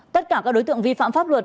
tất cả các đối tượng vi phạm pháp luật